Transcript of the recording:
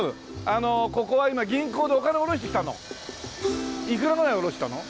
あのここは今銀行でお金おろしてきたの？いくらぐらいおろしたの？